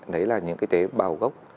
đấy là những cái tế bào gốc